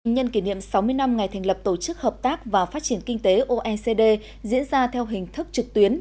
nhân kỷ niệm sáu mươi năm ngày thành lập tổ chức hợp tác và phát triển kinh tế oecd diễn ra theo hình thức trực tuyến